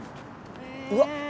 うわっ